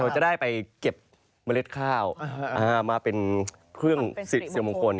จะได้ไปเก็บเมล็ดข้าวมาเป็นเครื่องสิทธิ์มงคล